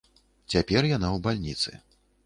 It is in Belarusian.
Цяпер яна ў бальніцы.